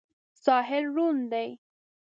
ساحل ړوند دی.